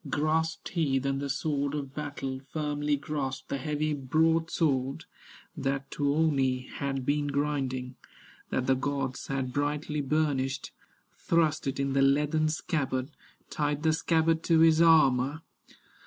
Grasped he then the sword of battle, Firmly grasped the heavy broadsword That Tuoni had been grinding, That the gods had brightly burnished, Thrust it in the leathern scabbard, Tied the scabbard to his armor.